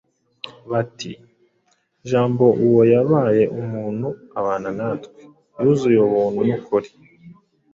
bati, “jambo uwo yabaye umuntu abana natwe,… yuzuye ubuntu n’ukuri.